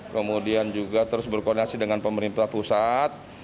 kemudian juga terus berkoordinasi dengan pemerintah pusat